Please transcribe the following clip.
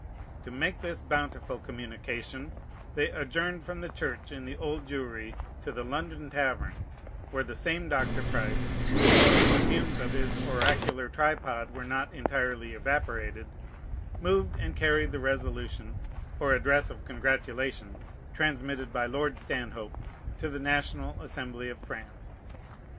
To make this bountiful communication, they adjourned from the church in the Old Jewry to the London Tavern, where the same Dr. Price, in whom the fumes of his oracular tripod were not entirely evaporated, moved and carried the resolution, or address of congratulation, transmitted by Lord Stanhope to the National Assembly of France.